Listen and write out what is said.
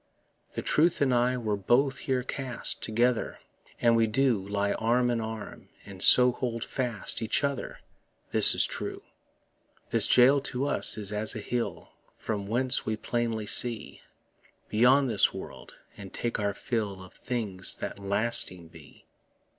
The truth and I were both here cast Together, and we do Lie arm in arm, and so hold fast Each other; this is true. This jail to us is as a hill, From whence we plainly see Beyond this world, and take our fill Of things that lasting be.